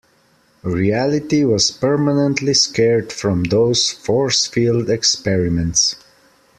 Reality was permanently scarred from those force field experiments.